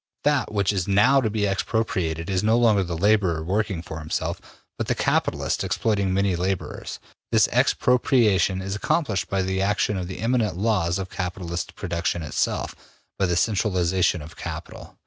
That which is now to be expropriated is no longer the laborer working for himself, but the capitalist exploiting many laborers. This expropriation is accomplished by the action of the immanent laws of capitalistic production itself, by the centralization of capital.